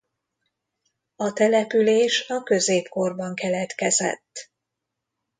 A település a középkorban keletkezett.